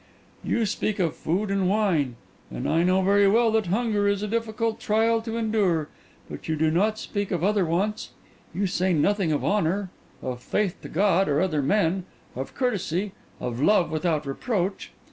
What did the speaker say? You speak of food and wine, and I know very well that hunger is a difficult trial to endure; but you do not speak of other wants; you say nothing of honour, of faith to God and other men, of courtesy, of love without reproach.